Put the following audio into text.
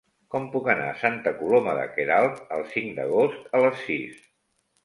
Com puc anar a Santa Coloma de Queralt el cinc d'agost a les sis?